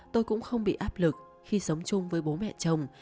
tôi cũng không bị áp lực khi sống chung với bố mẹ chồng